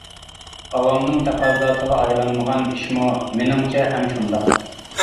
ئاۋامنىڭ تەقەززاسىغا ئايلانمىغان ئىشمۇ مېنىڭچە ھەم شۇنداق.